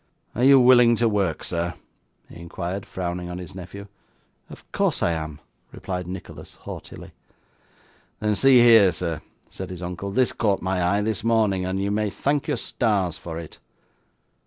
'Are you willing to work, sir?' he inquired, frowning on his nephew. 'Of course I am,' replied Nicholas haughtily. 'Then see here, sir,' said his uncle. 'This caught my eye this morning, and you may thank your stars for it.